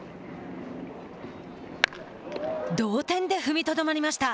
同点で踏みとどまりました。